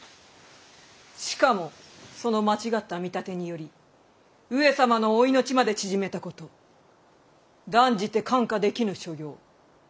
しかもその間違った見立てにより上様のお命まで縮めたこと断じて看過できぬ所業。